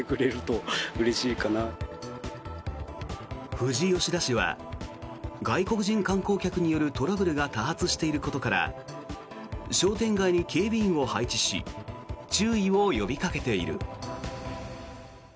富士吉田市は外国人観光客によるトラブルが多発していることから商店街に警備員を配置し注意を呼びかけている。